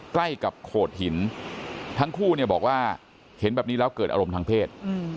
ใกล้กับโขดหินทั้งคู่เนี่ยบอกว่าเห็นแบบนี้แล้วเกิดอารมณ์ทางเพศ